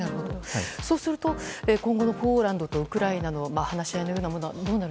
そうすると今後のポーランドとウクライナの話し合いは？